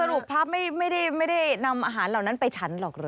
รูปพระไม่ได้นำอาหารเหล่านั้นไปฉันหรอกเหรอ